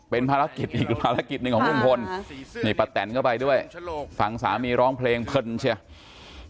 เป็นภารกิจอีกภารกิจหนึ่งของลุงพลนี่ป้าแตนก็ไปด้วยฟังสามีร้องเพลงเพลินเชียว